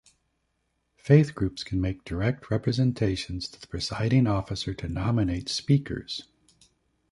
Faith groups can make direct representations to the Presiding Officer to nominate speakers.